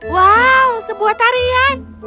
wow sebuah tarian